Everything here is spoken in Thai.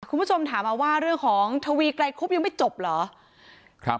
คุณผู้ชมถามมาว่าเรื่องของทวีไกรคุบยังไม่จบเหรอ